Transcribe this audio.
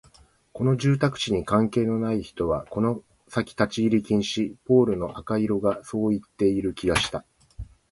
この住宅地に関係のない人はこの先立ち入り禁止、ポールの赤色がそう言っている気がした